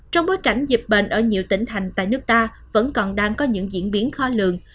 trong bối cảnh dịch bệnh ở nhiều tỉnh thành tại nước ta vẫn còn đang có những diễn biến khó lường